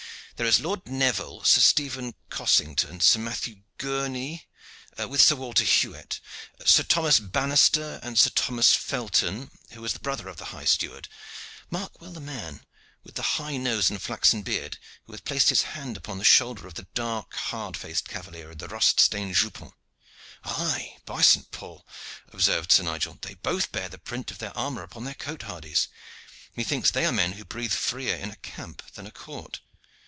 There is Lord Neville, Sir Stephen Cossington, and Sir Matthew Gourney, with Sir Walter Huet, Sir Thomas Banaster, and Sir Thomas Felton, who is the brother of the high steward. Mark well the man with the high nose and flaxen beard who hath placed his hand upon the shoulder of the dark hard faced cavalier in the rust stained jupon." "Aye, by St. Paul!" observed Sir Nigel, "they both bear the print of their armor upon their cotes hardies. Methinks they are men who breathe freer in a camp than a court."